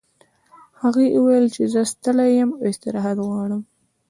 هغې وویل چې زه ستړې یم او استراحت غواړم